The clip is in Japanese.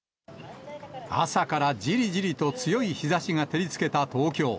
朝からじりじりと強い日ざしが照りつけた東京。